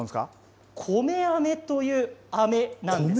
米あめというあめなんです。